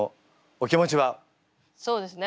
そうですね